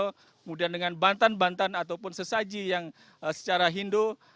kemudian dengan bantan bantan ataupun sesaji yang secara hindu